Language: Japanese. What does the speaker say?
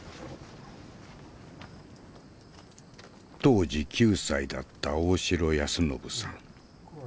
当時９歳だった大城安信さん。